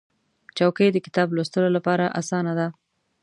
چوکۍ د کتاب لوستلو لپاره اسانه ده.